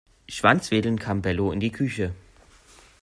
Schwanzwedelnd kam Bello in die Küche.